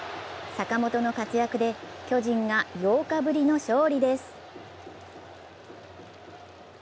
坂本の活躍で巨人が８日ぶりの勝利です。